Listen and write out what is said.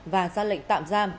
và ra lệnh tạm giam